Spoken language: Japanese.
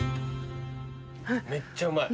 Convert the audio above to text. めっちゃうまい。